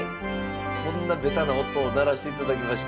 こんなベタな音を鳴らしていただきまして。